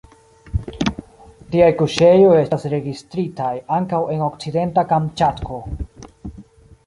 Tiaj kuŝejoj estas registritaj ankaŭ en Okcidenta Kamĉatko.